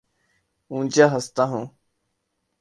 اونچا ہنستا ہوں